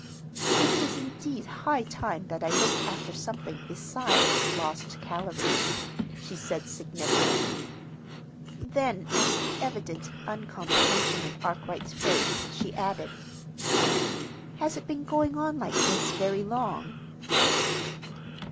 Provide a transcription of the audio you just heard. "It is, indeed, high time that I looked after something besides lost calories," she said significantly. Then, at the evident uncomprehension in Arkwright's face, she added: "Has it been going on like this very long?"